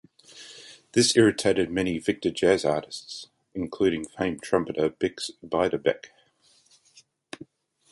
This irritated many Victor jazz artists, including famed trumpeter Bix Beiderbecke.